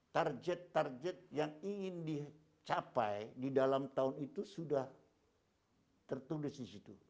target target yang ingin dicapai di dalam tahun itu sudah tertulis di situ